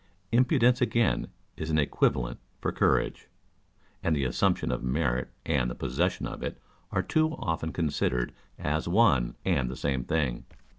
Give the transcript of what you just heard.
Impudence again is an equivalent for courage ; and the assumption of merit and the possession of it are too often considered as one and the same thing.